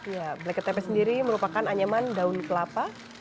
ya bktp sendiri merupakan anyaman daun kelapa